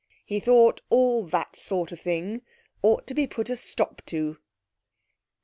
He thought all that sort of thing ought to be put a stop to.